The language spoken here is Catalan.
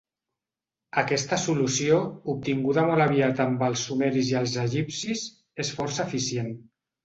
Aquesta solució, obtinguda molt aviat amb els Sumeris i els Egipcis, és força eficient.